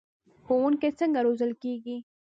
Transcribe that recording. ښوونکي څنګه روزل کیږي؟